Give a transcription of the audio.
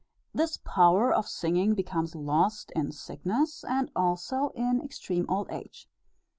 This power of singing becomes lost in sickness, and also in extreme old age.